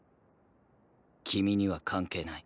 君には関係ない。